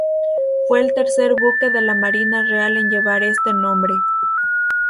Fue el tercer buque de la marina real en llevar este nombre.